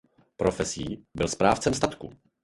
Profesí byl správcem statku.